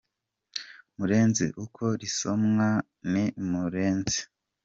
Murenzi , uko risomwa ni Mureenzî.